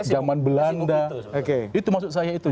zaman belanda itu maksud saya itu